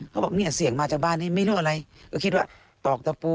เขาบอกเนี่ยเสี่ยงมาจากบ้านนี้ไม่รู้อะไรก็คิดว่าตอกตะปู